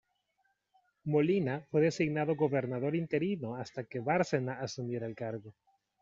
Molina fue designado gobernador interino hasta que Bárcena asumiera el cargo.